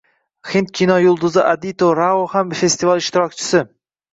Hind kino yulduzi Aditi Rao ham festival ishtirokchisi